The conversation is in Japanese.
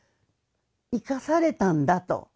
生かされたんだと。